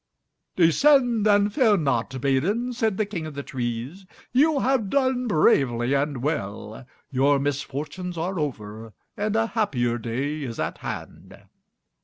"Descend and fear not, maiden," said the King of the Trees. "You have done bravely and well. Your misfortunes are over, and a happier day is at hand."